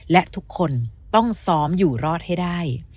และทุกคนต้องซ้อมอยู่รอดให้ได้